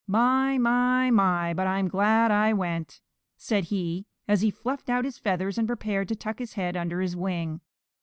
My, my, my, but I'm glad I went," said he, as he fluffed out his feathers and prepared to tuck his head under his wing.